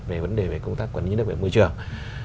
về vấn đề về công tác quản lý nhà nước về môi trường